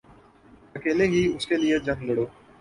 اکیلے ہی اس کیلئے جنگ لڑو